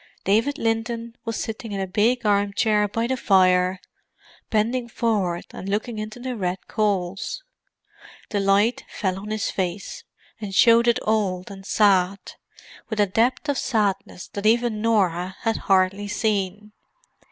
David Linton was sitting in a big armchair by the fire, bending forward and looking into the red coals. The light fell on his face, and showed it old and sad with a depth of sadness that even Norah had hardly seen.